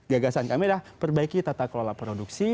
jaga sana kami adalah perbaiki tata kelola produksi